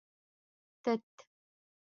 تت